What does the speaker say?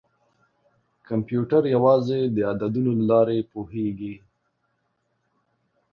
کمپیوټر یوازې د عددونو له لارې پوهېږي.